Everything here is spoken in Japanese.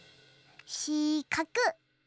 しかく。